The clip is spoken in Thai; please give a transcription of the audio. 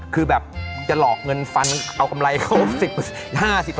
คือแบบจะหลอกเงินฟันเอากำไรเขา๑๐๕๐